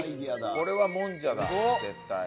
これはもんじゃだ絶対。